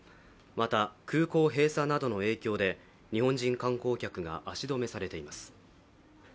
また、空港閉鎖などの影響で日本人観光客が足止めされています。